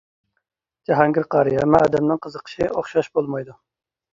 جاھانگىر قارى ھەممە ئادەمنىڭ قىزىقىشى ئوخشاش بولمايدۇ.